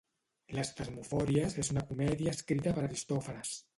Les tesmofòries és una comèdia escrita per Aristòfanes